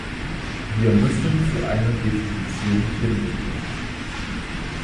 Wir müssen zu einer Definition finden.